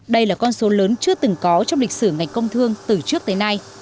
đây là con số lớn chưa từng có trong lịch sử ngành công thương từ trước tới nay